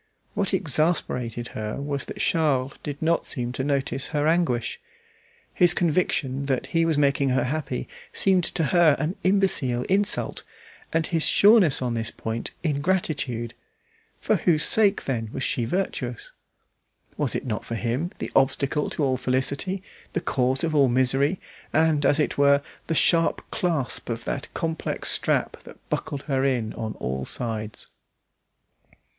What exasperated her was that Charles did not seem to notice her anguish. His conviction that he was making her happy seemed to her an imbecile insult, and his sureness on this point ingratitude. For whose sake, then was she virtuous? Was it not for him, the obstacle to all felicity, the cause of all misery, and, as it were, the sharp clasp of that complex strap that bucked her in on all sides.